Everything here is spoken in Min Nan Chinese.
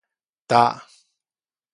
罩